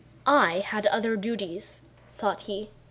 "I had other duties," thought he.